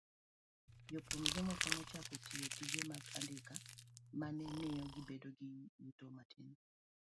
Jopuonjre moko nochako tiyo tije mag andika ma ne miyo gibedo gi yuto matin.